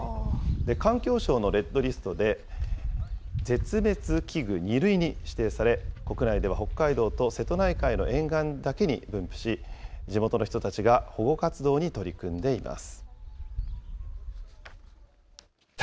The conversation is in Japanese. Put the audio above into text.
環境省のレッドリストで、絶滅危惧ＩＩ類に指定され、国内では北海道と瀬戸内海の沿岸だけに分布し、地元の人たちが保護活動に取り組んでいます。